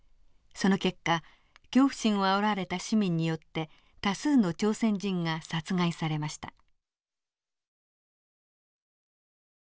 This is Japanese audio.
その結果恐怖心をあおられた市民によって多数の朝鮮人が殺害されました。